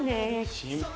心配？